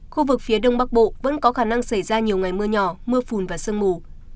khu vực phía đông bắc bộ vẫn có khả năng xảy ra nhiều ngày mưa nhỏ mưa phùn và sương mù